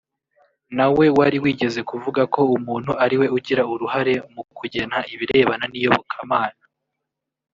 nawe wari wigeze kuvuga ko umuntu ariwe ugira uruhare mu kugena ibirebana n’iyobokamana